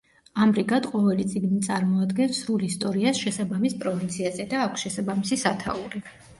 ამრიგად ყოველი წიგნი წარმოადგენს სრულ ისტორიას შესაბამის პროვინციაზე და აქვს შესაბამისი სათაური.